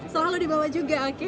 soalnya dibawa juga oke